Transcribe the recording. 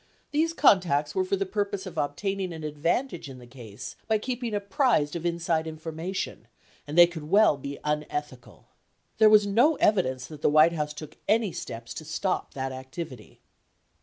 47 These contacts were for the purpose of obtaining an ad vantage in the case by keeping apprised of inside information, and they could well be unethical. 48 There was no evidence that the White House took any steps to stop that activity.